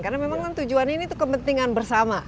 karena memang kan tujuan ini tuh kepentingan bersama